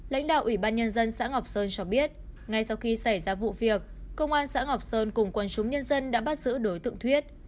lãnh đạo ủy ban nhân dân xã ngọc sơn cho biết ngay sau khi xảy ra vụ việc công an xã ngọc sơn cùng quân chúng nhân dân đã bắt giữ đối tượng thuyết